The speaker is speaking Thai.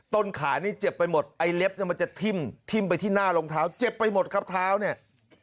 ต้นขานี่เจ็บไปหมดไอ้เล็บเนี่ยมันจะทิ่มไปที่หน้ารองเท้าเจ็บไปหมดครับเท้าเนี่ย